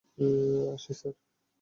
আসি, স্যার।